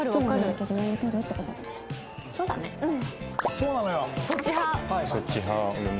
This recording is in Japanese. そうなのよ。